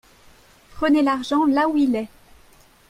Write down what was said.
Prenez l’argent là où il est